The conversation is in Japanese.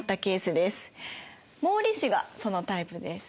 毛利氏がそのタイプです。